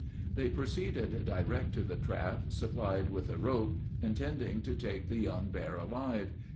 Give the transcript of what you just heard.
"They proceeded direct to the trap, supplied with a rope, intending to take the young bear alive.